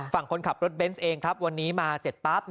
ฝั่งคนขับรถเบนส์เองครับวันนี้มาเสร็จปั๊บ